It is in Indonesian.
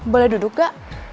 boleh duduk gak